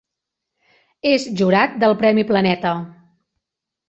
És jurat del Premi Planeta.